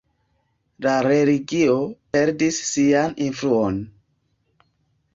La religio perdis sian influon.